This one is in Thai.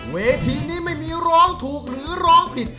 เวทีนี้ไม่มีร้องถูกหรือร้องผิด